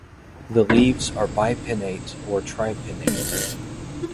The leaves are bipinnate or tripinnate.